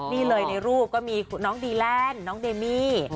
นี่เลยในรูปก็มีน้องดีแลนด์น้องเดมี่